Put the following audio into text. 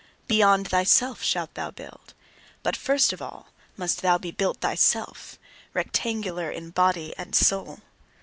Beyond thyself shalt thou build. But first of all must thou be built thyself, rectangular in body and soul.